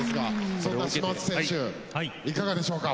そんな島内選手いかがでしょうか。